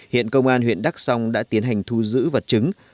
hiện công an huyện đắk song đã tiến hành thu giữ vật chứng